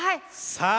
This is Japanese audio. さあ